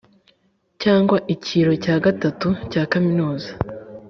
cyangwa icyiro cya gatatu cya kaminuza